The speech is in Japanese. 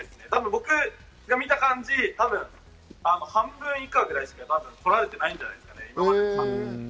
僕が見た感じ、半分以下ぐらいしか来られていないんじゃないですかね。